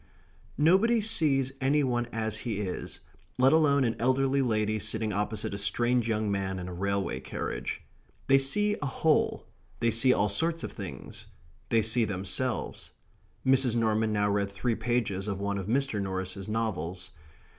Nobody sees any one as he is, let alone an elderly lady sitting opposite a strange young man in a railway carriage. They see a whole they see all sorts of things they see themselves.... Mrs. Norman now read three pages of one of Mr. Norris's novels.